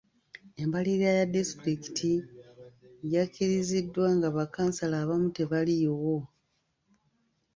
Embalirira ya disitulikiti yakkiriziddwa nga bakansala abamu tebaliiwo.